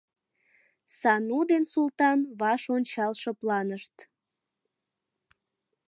Сану ден Султан ваш ончал шыпланышт.